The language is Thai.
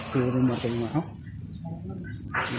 กลัวไม่หมดกันอย่างนั้น